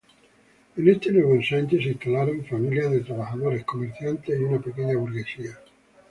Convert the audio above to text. En este nuevo ensanche se instalaron familias de trabajadores, comerciantes y una pequeña burguesía.